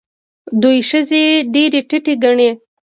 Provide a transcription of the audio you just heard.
دوی ښځې ډېرې ټیټې ګڼي.